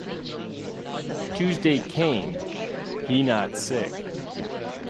Tuesday came, he not sick.